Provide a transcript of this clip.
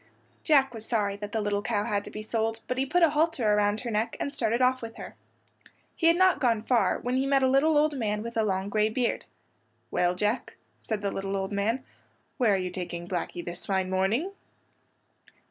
Jack was sorry that the little cow had to be sold, but he put a halter around her neck and started off with her. He had not gone far, when he met a little old man with a long gray beard. "Well, Jack," said the little old man, "where are you taking Blackey this fine morning?"